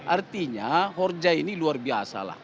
artinya horja ini luar biasa lah